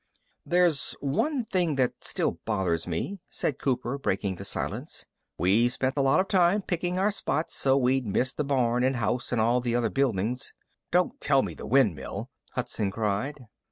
"There's one thing that still bothers me," said Cooper, breaking the silence. "We spent a lot of time picking our spot so we'd miss the barn and house and all the other buildings...." "Don't tell me the windmill!" Hudson cried.